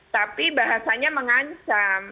tapi bahasanya mengansam